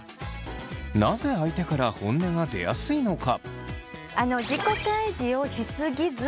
なぜ相手から本音が出やすいのか？